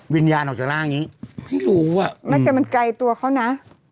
วิญญาณออกจากล่างนี้ไม่รู้แต่มันใกล้ตัวเขานะ